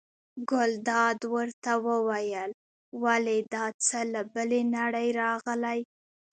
ګلداد ورته وویل: ولې دا څه له بلې نړۍ راغلي.